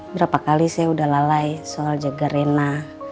berapa kali saya udah lalai soal jaga rena